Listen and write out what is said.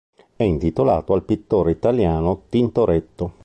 È intitolato al pittore italiano Tintoretto.